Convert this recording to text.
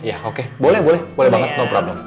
ya oke boleh boleh banget no problem